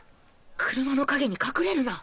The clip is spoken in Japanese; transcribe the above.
車の陰に隠れるな！